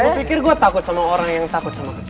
saya pikir gue takut sama orang yang takut sama kecil